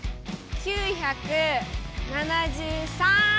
９７３！